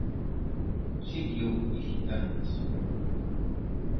Si que houbo visitantes.